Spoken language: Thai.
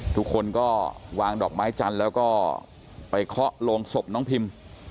ทุกคนก็วางดอกไม้จันทร์แล้วก็ไปเคาะโรงศพน้องพิม